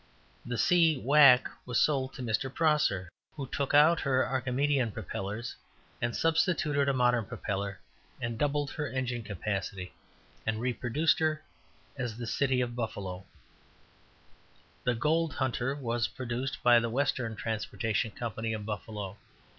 The C. Wack was sold to Mr. Prosser, who took out her Archimedean propellers, and substituted a modern propeller, and doubled her engine capacity, and reproduced her as the City of Buffalo. The Gold Hunter was produced by the Western Transportation Company, of Buffalo.